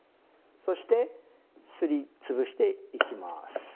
そしてすり潰していきます。